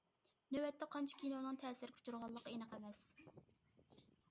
نۆۋەتتە قانچە كىنونىڭ تەسىرگە ئۇچرىغانلىقى ئېنىق ئەمەس.